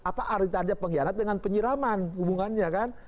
apa artinya pengkhianat dengan penyiraman hubungannya kan